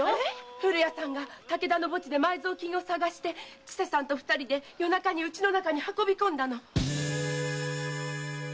古谷さんが武田の墓地で埋蔵金を探して千世さんと二人で夜中に家の中に運び込んだの。